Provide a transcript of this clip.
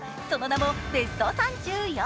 その名もベスト３４。